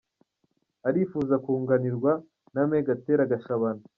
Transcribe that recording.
Arifuza kunganirwa na Me Gatera Gashabana.